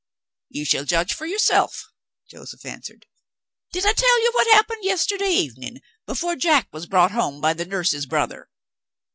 "You shall judge for yourself," Joseph answered. "Did I tell you what happened yesterday evening, before Jack was brought home by the nurse's brother?